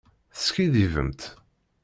Teskiddibemt.